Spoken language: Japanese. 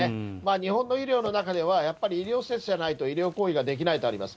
日本の医療の中では、やっぱり医療施設じゃないと医療行為ができないとあります。